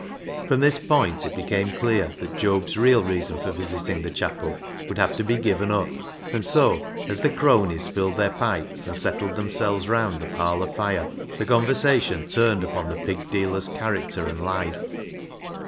From this point it became clear that Job's real reason for visiting the chapel would have to be given up, and so, as the cronies filled their pipes, and settled themselves round the parlour fire, the conversation turned upon the pig dealer's character and life.